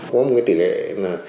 có một cái tỷ lệ là